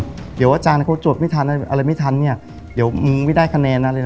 เดี๋ยวอาจารย์เขาจวดไม่ทันอะไรไม่ทันเนี่ยเดี๋ยวมึงไม่ได้คะแนนอะไรเลยนะ